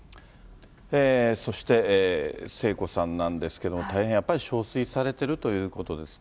そして、聖子さんなんですけれども、大変、やっぱり憔悴されているということなんですね。